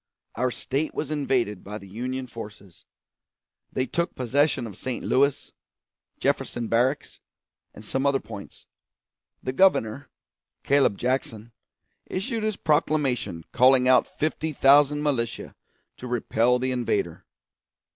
Our State was invaded by the Union forces. They took possession of St. Louis, Jefferson Barracks, and some other points. The Governor, Claib Jackson, issued his proclamation calling out fifty thousand militia to repel the invader.